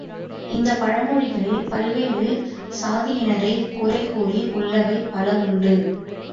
இந்தப் பழமொழிகளில் பல்வேறு சாதியினரைக் குறை கூறி உள்ளவை பல உண்டு.